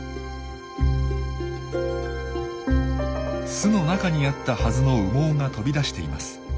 巣の中にあったはずの羽毛が飛び出しています。